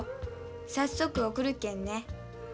早速送るけんね。